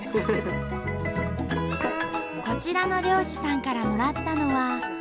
こちらの漁師さんからもらったのは。